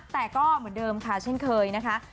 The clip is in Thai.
แต่ก็เหมือนเดิมค่ะเช่นเคยนะคะ